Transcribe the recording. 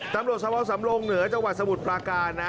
ตำรวจสภสำรงเหนือจังหวัดสมุทรปราการนะ